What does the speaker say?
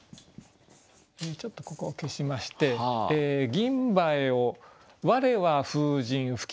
ちょっとここを消しまして「銀蠅をわれは風神吹きとばす」。